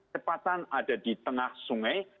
cepatan ada di tengah sungai